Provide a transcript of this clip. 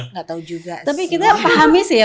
ngga tau juga sih tapi kita pahami sih ya